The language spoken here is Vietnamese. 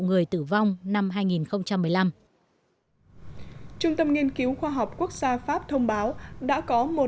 người tử vong năm hai nghìn một mươi năm trung tâm nghiên cứu khoa học quốc gia pháp thông báo đã có một